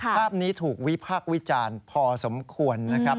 ภาพนี้ถูกวิพากษ์วิจารณ์พอสมควรนะครับ